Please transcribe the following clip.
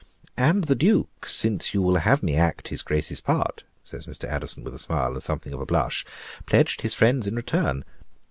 "And the Duke, since you will have me act his Grace's part," says Mr. Addison, with a smile, and something of a blush, "pledged his friends in return.